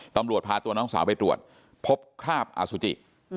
ตำรวจพาตัวน้องสาวไปตรวจพบคราบอสุจิ